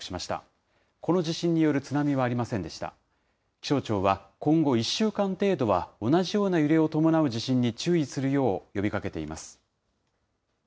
気象庁は、今後１週間程度は同じような揺れを伴う地震に注意するよう呼びかけています。